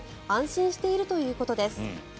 安心しているということです。